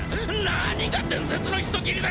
何が伝説の人斬りだ！